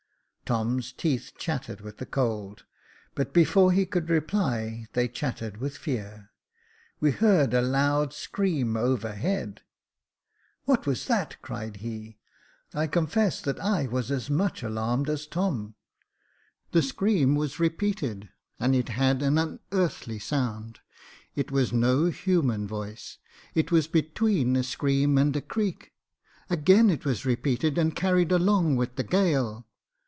Tom's teeth chattered with the cold ; but before he could reply, they chattered with fear. We heard a loud scream overhead. What was that?" cried he. I confess that I was as much alarmed as Tom. The scream was repeated, and it had an unearthly sound. It was no human voice — it was between a scream and a creak. Again it was repeated, and carried along with the gale.